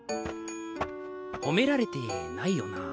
ほめられてないよな。